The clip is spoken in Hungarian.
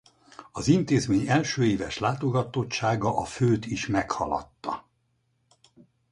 Az intézmény első éves látogatottsága a főt is meghaladta.